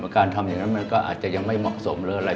การทำอย่างนั้นมันก็อาจจะยังไม่เหมาะสมหรืออะไร